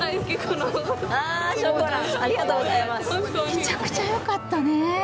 めちゃくちゃよかったね！